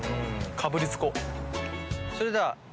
かぶりつこう。